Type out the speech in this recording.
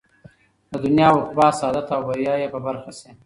د دنيا او عقبى سعادت او بريا ئې په برخه شي